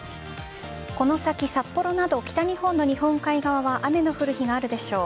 この先、札幌など北日本の日本海側は雨の降る日があるでしょう。